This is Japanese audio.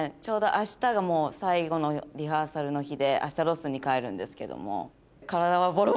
ちょうど明日がもう最後のリハーサルの日で明日ロスに帰るんですけども。